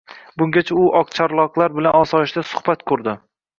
Bungacha u oqcharloqlar bilan osoyishta suhbat qurdi